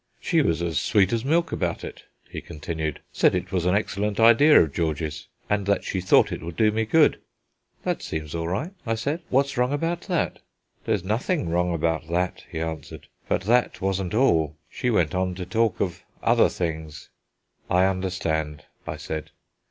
"She was as sweet as milk about it," he continued; "said it was an excellent idea of George's, and that she thought it would do me good." "That seems all right," I said; "what's wrong about that?" "There's nothing wrong about that," he answered, "but that wasn't all. She went on to talk of other things." "I understand," I said.